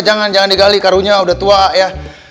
jangan digali karunya udah tua ya